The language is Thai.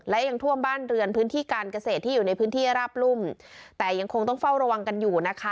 และยังท่วมบ้านเรือนพื้นที่การเกษตรที่อยู่ในพื้นที่ราบรุ่มแต่ยังคงต้องเฝ้าระวังกันอยู่นะคะ